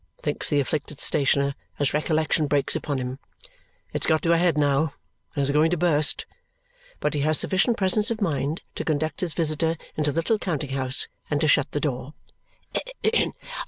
thinks the afflicted stationer, as recollection breaks upon him. "It's got to a head now and is going to burst!" But he has sufficient presence of mind to conduct his visitor into the little counting house and to shut the door.